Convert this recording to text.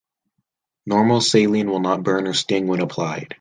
Normal saline will not burn or sting when applied.